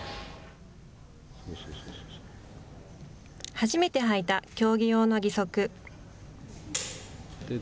初めてはいた競技用の義足。